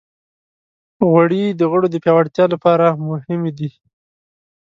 غوړې د غړو د پیاوړتیا لپاره مهمې دي.